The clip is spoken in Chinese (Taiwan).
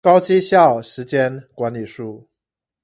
高績效時間管理術